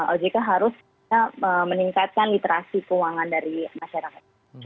ojk harus meningkatkan literasi keuangan dari masyarakat